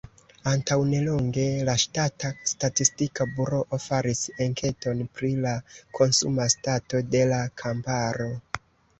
Antaŭnelonge la ŝtata statistika buroo faris enketon pri la konsuma stato de la kamparo.